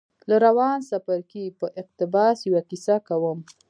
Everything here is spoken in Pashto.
له روان څپرکي په اقتباس يوه کيسه کوم.